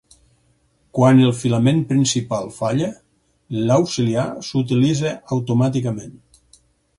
Quan el filament principal falla, l'auxiliar s'utilitza automàticament.